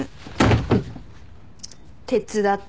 手伝って。